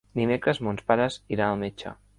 Dimecres mons pares iran al metge.